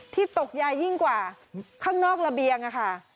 ตกยายิ่งกว่าข้างนอกระเบียงค่ะ